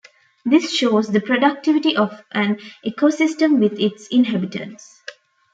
This shows the productivity of an ecosystem with its inhabitants.